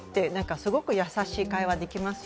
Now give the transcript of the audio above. すごく優しい会話できますよ。